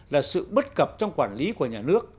là sự bất cập trong quản lý của nhà nước